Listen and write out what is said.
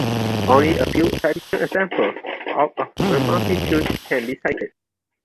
Only a few typical examples out of a multitude can be cited.